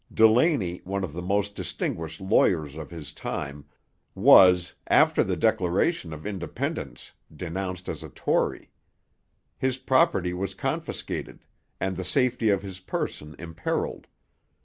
Dulany, one of the most distinguished lawyers of his time, was after the Declaration of Independence denounced as a Tory; his property was confiscated, and the safety of his person imperilled.